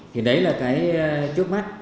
thì đấy là cái trước mắt